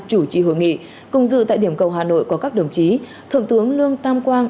chủ trì hội nghị cùng dự tại điểm cầu hà nội có các đồng chí thượng tướng lương tam quang